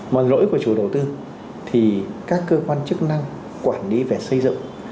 mà lỗi của chủ đầu tư thì các cơ quan chức năng quản lý về xây dựng